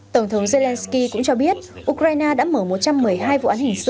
tổng thống zelensky cũng cho biết ukraine đã mở một trăm một mươi hai vụ án hình sự